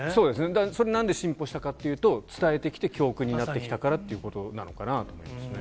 だから、それ、なんで進歩したかというと、伝えてきて、教訓になってきたからということなのかなと思いますね。